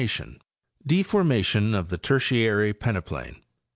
DEFORMATION OF THE TERTIARY PENEPLAIN.